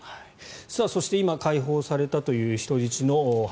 そして解放されたという人質のお話。